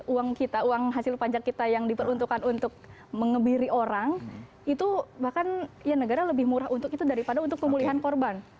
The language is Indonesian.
uang kita uang hasil pajak kita yang diperuntukkan untuk mengebiri orang itu bahkan ya negara lebih murah untuk itu daripada untuk pemulihan korban